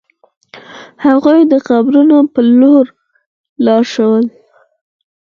هغوی د قبرونو په لور لاړ شول.